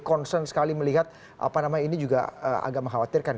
concern sekali melihat apa namanya ini juga agak mengkhawatirkan